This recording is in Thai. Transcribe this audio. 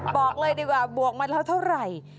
บอกเลยดีกว่าบวกมาแล้วเท่าไหร่